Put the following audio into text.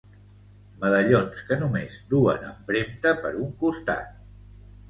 Medallons que només duen empremta per un costat.